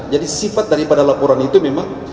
jadi sifat daripada laporan itu memang